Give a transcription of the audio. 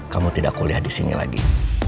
kamu tidak kuliah disini lagi